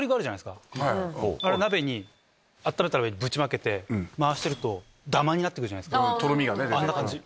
鍋に温めた上にぶちまけて回してるとダマになってくるじゃないですかあんな感じ。